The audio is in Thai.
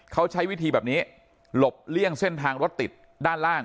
เขาใช้วิธีแบบนี้หลบเลี่ยงเส้นทางรถติดด้านล่าง